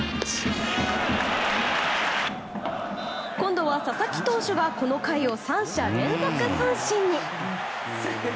今度は佐々木投手がこの回を３者連続三振に。